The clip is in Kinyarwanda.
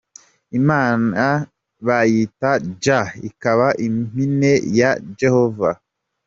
Imana bayita Jah ikaba impine ya Jehovah.